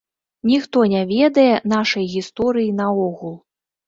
Ніхто не ведае нашай гісторыі наогул.